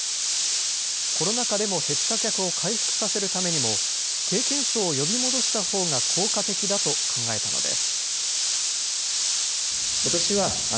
コロナ禍でも減った客を回復させるためにも、経験層を呼び戻したほうが効果的だと考えたのです。